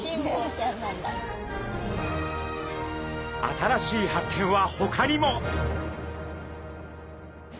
新しい発見はほかにも。